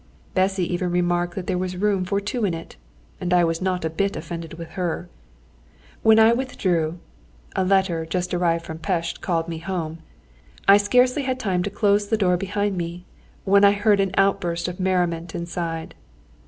Bessy even remarked that there was room for two in it, and I was not a bit offended with her. When I withdrew (a letter, just arrived from Pest, called me home), I scarcely had time to close the door behind me, when I heard an outburst of merriment inside.